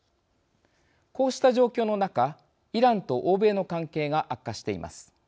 こうした状況の中イランと欧米の関係が悪化しています。